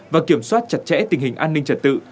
và kiểm soát chặt chẽ tình hình an ninh trật tự